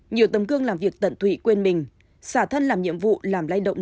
nhiều tầm cương làm việc tận thủy quên mình xả thân làm nhiệm vụ làm lay động